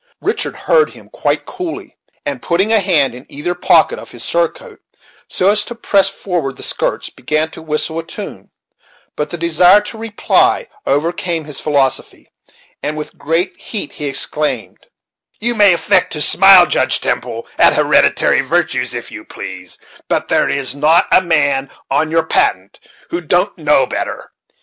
Richard heard him quite coolly, and putting a hand in either pocket of his surcoat, so as to press forward the skirts, began to whistle a tune; but the desire to reply overcame his philosophy, and with great heat he exclaimed: "You may affect to smile, Judge Temple, at hereditary virtues, if you please; but there is not a man on your Patent who don't know better.